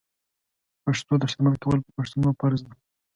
پښتو ته خدمت کول پر پښتنو فرض ده